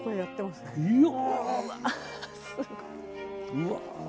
うわ。